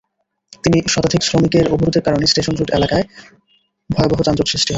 তিন শতাধিক শ্রমিকের অবরোধের কারণে স্টেশন রোড এলাকায় ভয়াবহ যানজট সৃষ্টি হয়।